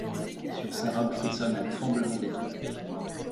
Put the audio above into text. Sur sa robe frissonne un tremblement d’étoiles ;